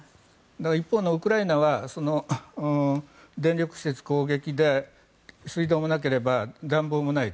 一方のウクライナは電力施設攻撃で水道もなければ暖房もないと。